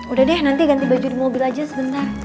udah deh nanti ganti baju mobil aja sebentar